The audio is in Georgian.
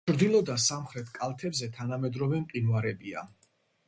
ჩრდილო და სამხრეთ კალთებზე თანამედროვე მყინვარებია.